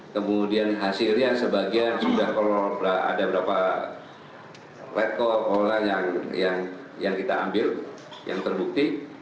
kemudian hasilnya sebagian sudah kalau ada beberapa letkol pola yang kita ambil yang terbukti